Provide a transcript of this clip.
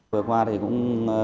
vừa qua thì cũng